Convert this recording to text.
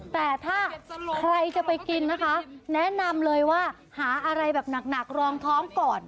แต่ถ้าใครจะไปกินนะคะแนะนำเลยว่าหาอะไรแบบหนักรองท้องก่อน